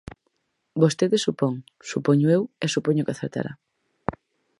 Vostede supón, supoño eu, e supoño que acertará.